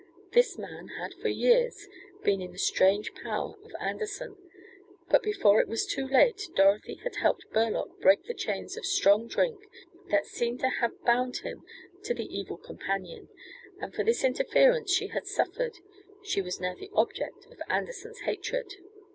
This man had for years been in the strange power of Anderson, but before it was too late Dorothy had helped Burlock break the chains of strong drink that seemed to have bound him to the evil companion, and for this interference she had suffered she was now the object of Anderson's hatred.